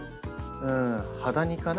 ハダニかな。